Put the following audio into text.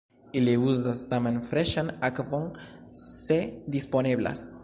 Ili uzas tamen freŝan akvon se disponeblas.